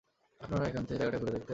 আপনারা একান্তে জায়গাটা ঘুরে দেখতে চান?